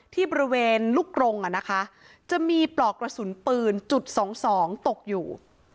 ที่บริเวณลูกกรงอ่ะนะคะจะมีปลอกกระสุนปืนจุดสองสองตกอยู่